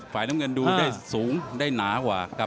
ฝ่ายน้ำเงินดูได้สูงได้หนากว่าครับ